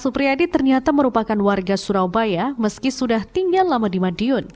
supriyadi ternyata merupakan warga surabaya meski sudah tinggal lama di madiun